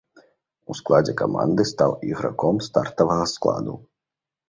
У складзе каманды стаў іграком стартавага складу.